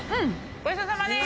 ごちそうさまです。